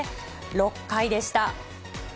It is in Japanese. ６回でした。